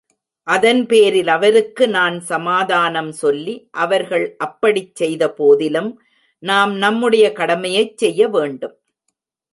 அதன் பேரில் அவருக்கு நான் சமாதானம் சொல்லி, அவர்கள் அப்படிச் செய்தபோதிலும், நாம் நம்முடைய கடமையைச் செய்ய வேண்டும்.